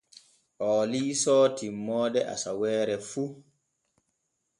Oo liisoo timmoode asaweere fu.